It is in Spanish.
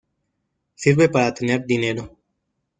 Sirve para tener dinero.